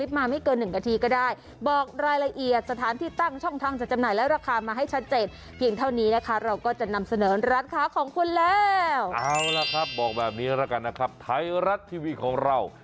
แบบนี้แล้วกันนะครับไทยรัฐทีวีของเรา